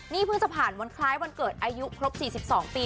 นี่เพิ่งจะผ่านวันคล้ายวันเกิดอายุครบ๔๒ปี